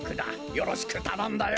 よろしくたのんだよ。